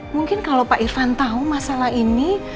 mungkin kalau pak irfan tahu masalah ini